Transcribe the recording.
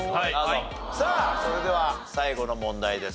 さあそれでは最後の問題です。